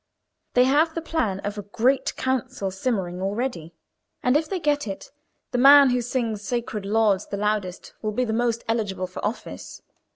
They have the plan of a Great Council simmering already; and if they get it, the man who sings sacred Lauds the loudest will be the most eligible for office.